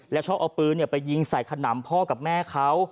แล้วชอบเอาปืนไปยิงใส่ขนำพ่อกับแม่เขา